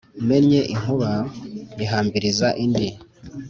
Mennye inkuba nyihambiriza indi-